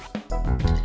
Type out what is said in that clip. terima kasih bang